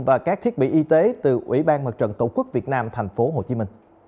và các thiết bị y tế từ ủy ban mặt trận tổ quốc việt nam tp hcm